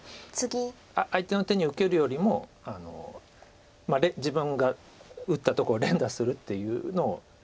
相手の手に受けるよりも自分が打ったとこ連打するっていうのを。